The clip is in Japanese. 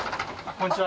こんにちは。